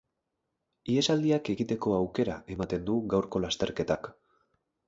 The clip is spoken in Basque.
Ihesaldiak egiteko aukera ematen du gaurko lasterketak.